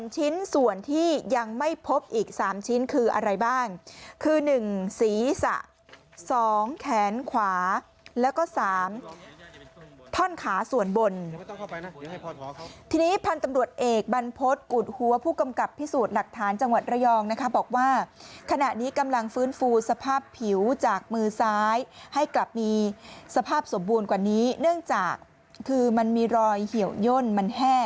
ชิ้นส่วนที่ยังไม่พบอีก๓ชิ้นคืออะไรบ้างคือ๑ศีรษะ๒แขนขวาแล้วก็๓ท่อนขาส่วนบนทีนี้พันธุ์ตำรวจเอกบรรพฤษกุฎหัวผู้กำกับพิสูจน์หลักฐานจังหวัดระยองนะคะบอกว่าขณะนี้กำลังฟื้นฟูสภาพผิวจากมือซ้ายให้กลับมีสภาพสมบูรณ์กว่านี้เนื่องจากคือมันมีรอยเหี่ยวย่นมันแห้